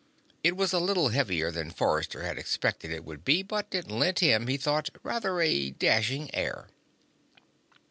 It was a little heavier than Forrester had expected it would be, but it lent him, he thought, rather a dashing air.